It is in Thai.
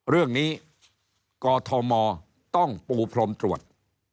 เรื่องนี้กอทมต้องปูพรมตรวจ